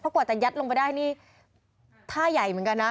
กว่าจะยัดลงไปได้นี่ท่าใหญ่เหมือนกันนะ